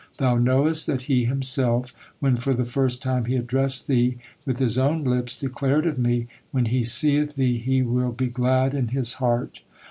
Thou knowest that He Himself, when for the first time He addressed thee, with His own lips declared of me, 'When he seeth thee, he will be glad in his heart.'